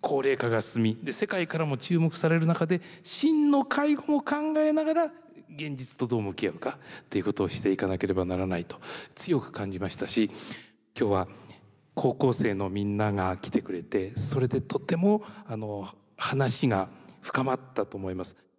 高齢化が進み世界からも注目される中で真の介護を考えながら現実とどう向き合うかということをしていかなければならないと強く感じましたし今日は高校生のみんなが来てくれてそれでとても話が深まったと思います。